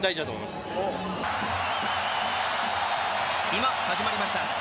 今、始まりました。